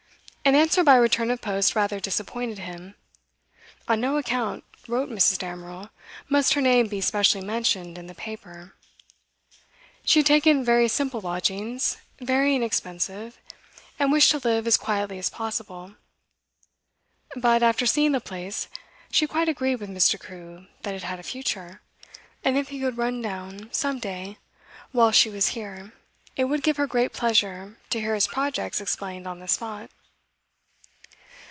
An answer by return of post rather disappointed him. On no account, wrote Mrs. Damerel, must her name be specially mentioned in the paper. She had taken very simple lodgings, very inexpensive, and wished to live as quietly as possible. But, after seeing the place, she quite agreed with Mr Crewe that it had a future, and if he could run down some day, whilst she was here, it would give her great pleasure to hear his projects explained on the spot.